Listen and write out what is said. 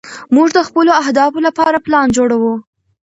موږ د خپلو اهدافو لپاره پلان جوړوو.